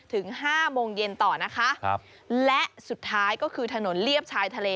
ถึงห้าโมงเย็นต่อนะคะครับและสุดท้ายก็คือถนนเลียบชายทะเล